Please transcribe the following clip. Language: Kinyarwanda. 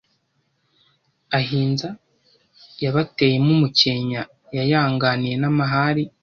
ahinza yabateyemo umukenya Yayanganiye n’amahari